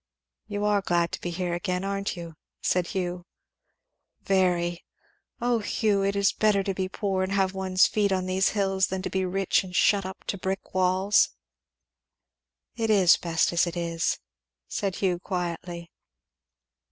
"You are glad to be here again, aren't you?" said Hugh. "Very! O Hugh! it is better to be poor and have one's feet on these hills, than to be rich and shut up to brick walls!" "It is best as it is," said Hugh quietly.